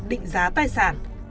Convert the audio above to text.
định giá tài sản